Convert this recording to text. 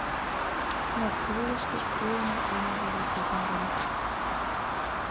Но тылыштет йӱлымӧ олмо веле кодын гын...